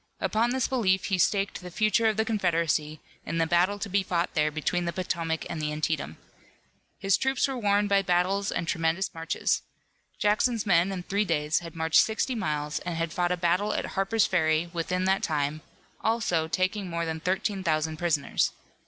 Upon this belief he staked the future of the Confederacy in the battle to be fought there between the Potomac and the Antietam. His troops were worn by battles and tremendous marches. Jackson's men in three days had marched sixty miles, and had fought a battle at Harper's Ferry within that time, also, taking more than thirteen thousand prisoners.